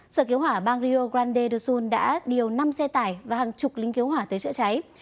sở cứu hỏa bang rio grande do sul đã điều năm xe tải và hàng chục lính cứu hỏa tới chữa cháy